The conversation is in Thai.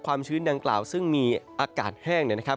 ชื้นดังกล่าวซึ่งมีอากาศแห้งเนี่ยนะครับ